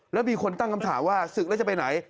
แล้วมีคนตั้งคำถามว่าศึกแล้วจะไปไหน